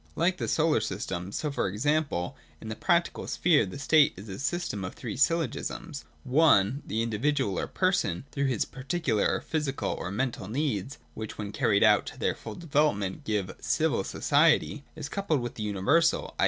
Like the solar system, so for example in the practical sphere the state is a system of three syllogisms, (i) The Individual or person, through his particularity or physi cal or mental needs (which when carried out to their full development give civil society), is coupled with the universal, i.e.